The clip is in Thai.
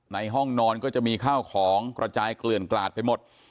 ในห้องนอนก็จะมีข้าวของกระจายเกลื่อนกลาดไปหมด